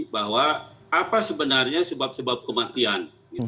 bahwa apa sebenarnya sebab sebab kematian